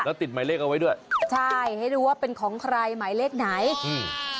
แล้วติดหมายเลขเอาไว้ด้วยใช่ให้ดูว่าเป็นของใครหมายเลขไหนอืม